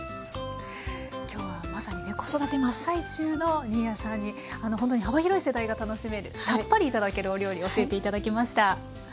今日はまさにね子育て真っ最中の新谷さんにほんとに幅広い世代が楽しめるさっぱり頂けるお料理教えて頂きました。